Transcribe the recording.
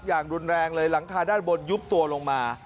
อย่างรุนแรงเลยหลังคาด้านบนยุบตัวลงมา